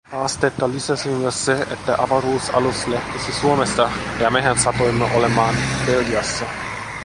Haastetta lisäsi myös se, että avaruusalus lähtisi Suomesta, ja mehän satuimme olemaan Belgiassa.